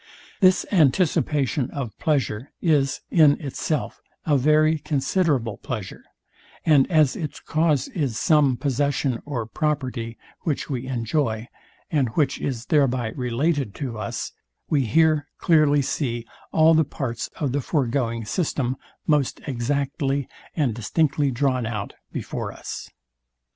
This anticipation of pleasure is, in itself, a very considerable pleasure; and as its cause is some possession or property, which we enjoy, and which is thereby related to us, we here dearly see all the parts of the foregoing system most exactly and distinctly drawn out before us.